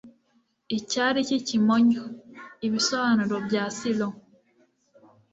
icyari cy'ikimonyo, ibisobanuro bya ciron